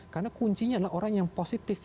karena kuncinya adalah orang yang positif